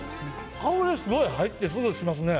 香り、すごい入ってすぐしますね。